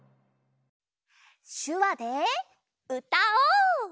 しゅわでうたおう！